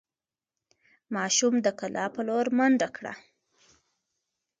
ماشوم د کلا په لور منډه کړه.